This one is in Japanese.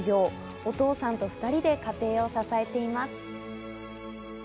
お父さんと２人で家庭を支えています。